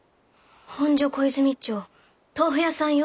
本所小泉町豆腐屋さんよ。